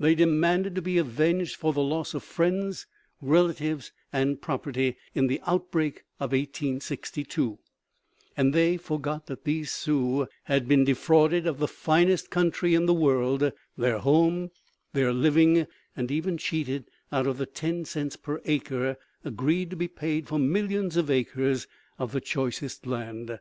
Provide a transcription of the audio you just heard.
They demanded to be avenged for the loss of friends, relatives, and property in the outbreak of 1862, and they forgot that these Sioux had been defrauded of the finest country in the world, their home, their living, and even cheated out of the ten cents per acre agreed to be paid for millions of acres of the choicest land.